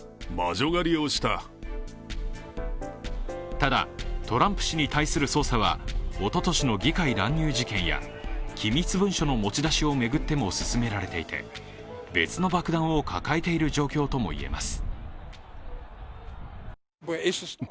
ただ、トランプ氏に対する捜査はおととしの議会乱入事件や機密文書の持ち出しを巡っても進められていて、別の爆弾を抱えている状況ともいえます。